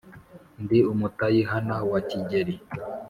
Ndi umutayihana wa Kigeli.